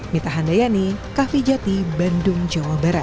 mita handayani kah fijati bandung jawa barat